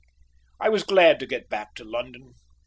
I was glad to get back to London.